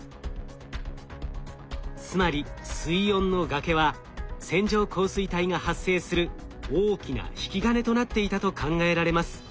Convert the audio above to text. つまり水温の崖は線状降水帯が発生する大きな引き金となっていたと考えられます。